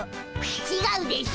ちがうでしょう。